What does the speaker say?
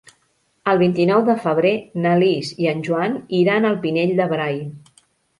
El vint-i-nou de febrer na Lis i en Joan iran al Pinell de Brai.